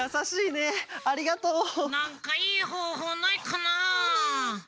なんかいいほうほうないかな？